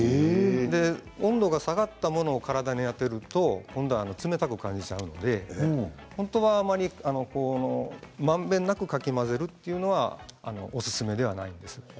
温度が下がったものを体に当てると冷たく感じちゃうので本当は、まんべんなくかき混ぜるというのはおすすめではないんです。